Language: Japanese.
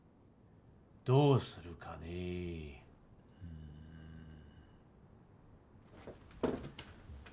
どうするかねうん。